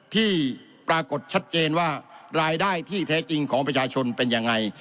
ที่ปรากฏชัดเจนว่ารายได้ที่แท้จริงของประชาชนเป็นยังไง